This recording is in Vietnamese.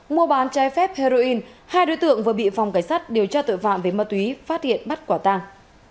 mùa bán chai phép heroin hai đối tượng vừa bị phòng cảnh sát điều tra tội phạm về mất túy phát hiện bắt quả tăng